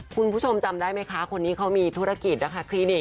คุณผู้ชมจำได้ไหมคะคนนี้เขามีธุรกิจนะคะคลินิก